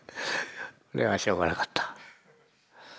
それはしょうがなかった。